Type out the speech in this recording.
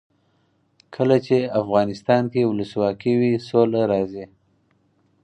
کله چې افغانستان کې ولسواکي وي سوله راځي.